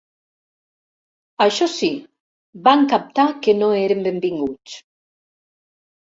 Això sí, van captar que no eren benvinguts.